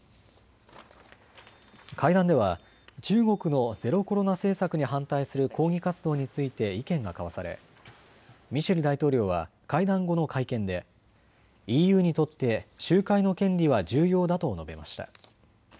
会談では中国のゼロコロナ政策に反対する抗議活動について意見が交わされミシェル大統領は会談後の会見でＥＵにとって集会の権利は重要だと述べました。